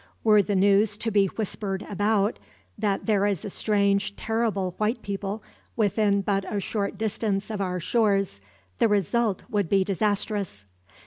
Were the news to be whispered about that there is a strange, terrible white people within but a short distance of our shores, the result would be disastrous.